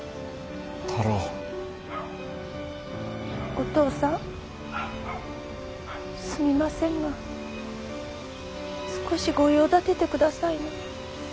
お父さんすみませんが少しご用立てて下さいな。